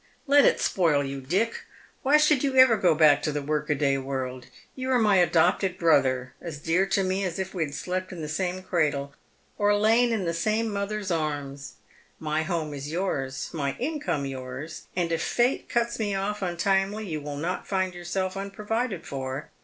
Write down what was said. " Let it spoil you, Dick. Why should you ever go back to the work a day world ? You are my adopted brother, as dear to me as if we had slept in tlie same cradle, or lain in the same mother's arms. My home is yours, my income yours, and if Fate cuts me oif untimely you will not iind yourself unprovided for.